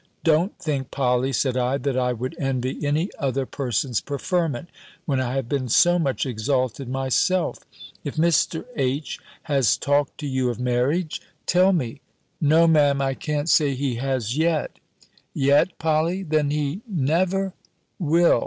"Don't think, Polly," said I, "that I would envy any other person's preferment, when I have been so much exalted myself. If Mr. H. has talked to you of marriage, tell me." "No, Me'm, I can't say he has yet." "Yet, Polly! Then he never. will.